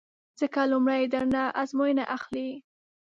ځکه لومړی در نه ازموینه اخلي